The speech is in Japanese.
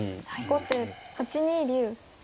後手８二竜。